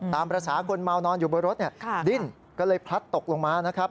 ตามภาษาคนเมานอนอยู่บนรถดิ้นก็เลยพลัดตกลงมานะครับ